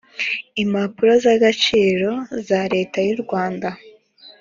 impapuro z agaciro za leta y u rwanda